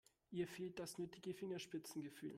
Ihr fehlt das nötige Fingerspitzengefühl.